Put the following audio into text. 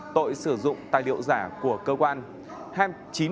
tội sử dụng tài liệu giả của cơ quan